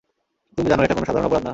তুমি জানো এটা কোন সাধারন অপরাধ না।